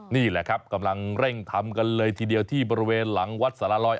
นี่แหละครับกำลังเร่งทำกันเลยทีเดียวที่บริเวณหลังวัดสารลอย